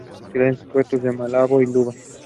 Excelentes puertos en Malabo y Luba.